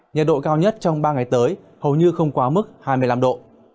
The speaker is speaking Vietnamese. nhiệt độ cao nhất trong ba ngày tới hầu như không quá mức hai mươi năm độ